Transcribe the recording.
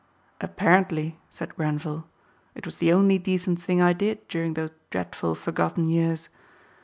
"Apparently," said Grenvil, "it was the only decent thing I did during those dreadful forgotten years.